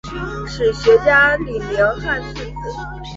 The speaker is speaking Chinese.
史学家李铭汉次子。